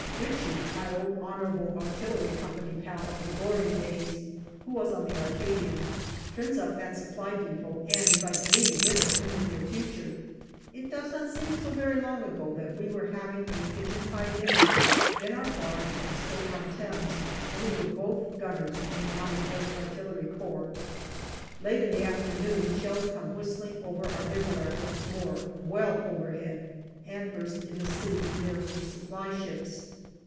Ritchie, my old H.A.C. pal of the Goring days, who was on the Arcadian, turns up at Supply depot and in MAY 103 vites me to dinner in the near future. It does not seem so very long ago that we were having a pigeon pie dinner in our barn at Stoke on Thames, when we were both gunners in the H.A.C. Late in the afternoon shells come whistling over our bivouac once more, well overhead, and burst in the sea near to Supply ships.